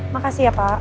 makasih ya pak